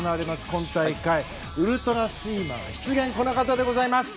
今大会ウルトラスイマーが出現！